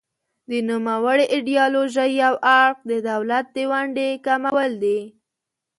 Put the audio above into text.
د نوموړې ایډیالوژۍ یو اړخ د دولت د ونډې کمول دي.